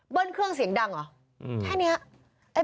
เบิ้ลเครื่องเสียงดังอ๋อแค่เนี้ย